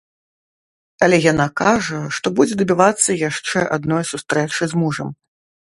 Але яна кажа, што будзе дабівацца яшчэ адной сустрэчы з мужам.